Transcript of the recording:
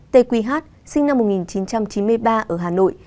tê quỳ hát sinh năm một nghìn chín trăm chín mươi ba ở hà nội